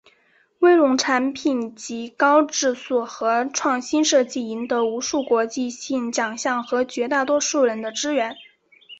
威龙产品籍高质素和创新设计赢得无数国际性奖项和绝大多数人的支援。